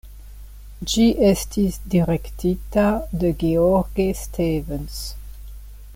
Ĝi estis direktita de George Stevens.